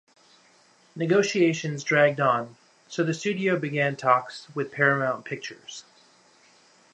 Negotiations dragged on, so the studio began talks with Paramount Pictures.